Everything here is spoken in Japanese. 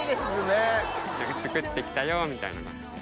作って来たよ！みたいな感じで。